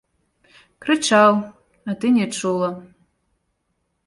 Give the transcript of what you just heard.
Крычаў, а ты не чула.